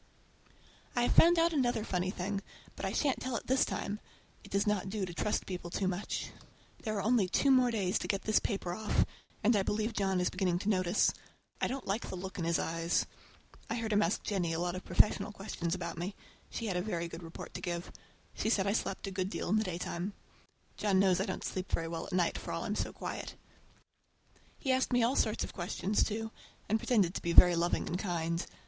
I have found out another funny thing, but I shan't tell it this time! It does not do to trust people too much. There are only two more days to get this paper off, and I believe John is beginning to notice. I don't like the look in his eyes. And I heard him ask Jennie a lot of professional questions about me. She had a very good report to give. She said I slept a good deal in the daytime. John knows I don't sleep very well at night, for all I'm so quiet! He asked me all sorts of questions, too, and pretended to be very loving and kind.